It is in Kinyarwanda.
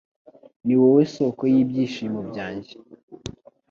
Ni wowe soko y'ibyishimo byanjye